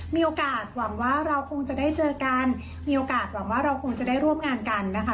มีโอกาสหวังว่าเราคงจะได้เจอกันมีโอกาสหวังว่าเราคงจะได้ร่วมงานกันนะคะ